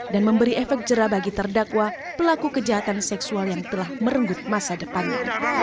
dan memberi efek jera bagi terdakwa pelaku kejahatan seksual yang telah merenggut masa depannya